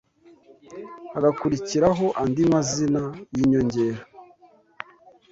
hagakurikiraho andi mazina y’inyongera